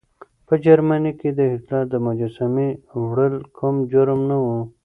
په جرمني کې د هېټلر د مجسمې وړل کوم جرم نه و.